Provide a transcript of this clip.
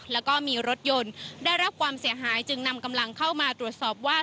แล้วก็มีรถยนต์ได้รับความเสียหายจึงนำกำลังเข้ามาตรวจสอบว่า